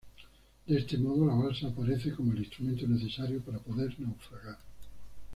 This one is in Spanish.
De este modo la balsa aparece como el instrumento necesario para poder naufragar.